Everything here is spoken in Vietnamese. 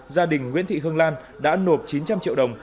gia đình nguyễn thị hương lan đã nộp chín trăm linh triệu đồng